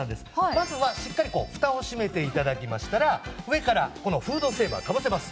まずはしっかりこうフタを閉めて頂きましたら上からこのフードセーバーをかぶせます。